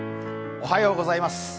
おはようございます。